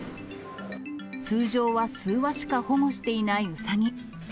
通常は数羽しか保護していないうさぎ。